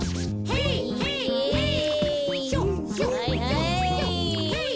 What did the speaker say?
はいはい！